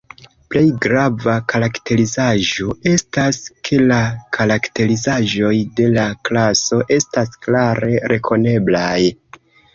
Plej grava karakterizaĵo estas, ke la karakterizaĵoj de la klaso estas klare rekoneblaj.